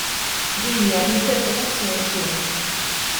Din hija l-interpretazzjoni tiegħi.